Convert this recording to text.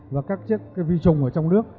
và các cái vi trùng ở trong nước